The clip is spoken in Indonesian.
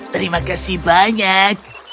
terima kasih banyak